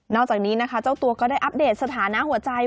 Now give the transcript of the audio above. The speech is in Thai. อกจากนี้นะคะเจ้าตัวก็ได้อัปเดตสถานะหัวใจ